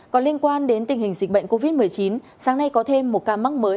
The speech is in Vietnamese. còn liên quan đến tình hình dịch bệnh covid một mươi chín sáng nay có thêm một ca mắc mới